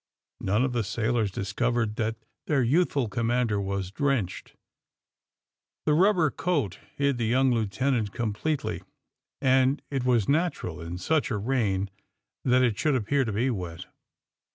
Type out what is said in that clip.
'' None of the sailors discovered that their yonthful commander was drenched. The rub ber coat hid the young lieutenant completely, and it was natural, in such a rain, that it should appear to be wet.